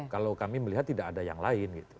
kalau kami melihat tidak ada yang lain gitu